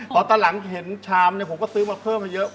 พอตอนหลังเห็นชามผมก็ซื้อมาเพิ่มมาเยอะ